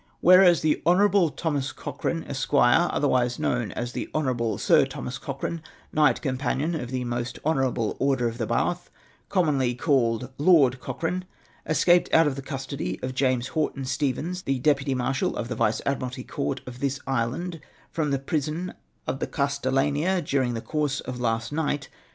"' Whereas, the Honourable Thomas Cochrane, esquire, otherwise the Honourable Sir Thomas Cochrane, Knight Companion of the most Honourable Order of the Bath, com monly called Lord Cochrane, escaped out of the custody of James Huughton Stevens, the Deputy Marshal of the Vice Admiralty Court of this Island, from the prison of the Cas tellanea during the course of last nio ht.